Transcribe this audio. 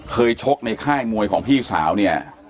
ชกในค่ายมวยของพี่สาวเนี่ย